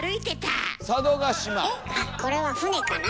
これは船かな？